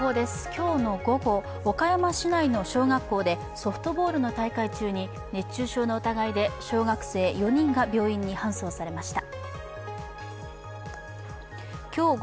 今日の午後、岡山市内の小学校でソフトボールの大会中に熱中症の疑いで小学生４人が病院に搬送されました。